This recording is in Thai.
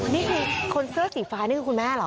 นี่คือคนเสื้อสีฟ้านี่คือคุณแม่เหรอ